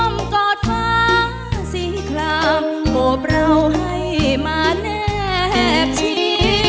อ้อมกอดฟ้าสี่คลามโบบเราให้มาแนบชิ้น